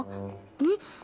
えっ。